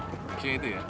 kunci itu ya